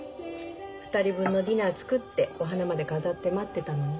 ２人分のディナー作ってお花まで飾って待ってたのにね。